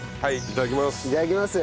いただきます。